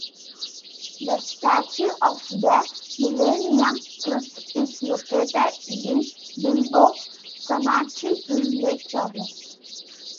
The statue of the Millennium Christ is located in Bilbo Cemetery in Lake Charles.